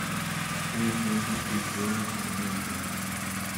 Son influencias culturales a tener en cuenta.